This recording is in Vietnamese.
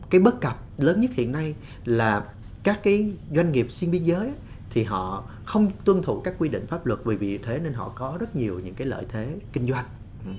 cái bất cập lớn nhất hiện nay là các cái doanh nghiệp xuyên biên giới thì họ không tuân thủ các quy định pháp luật vì vì thế nên họ có rất nhiều những cái lợi thế kinh doanh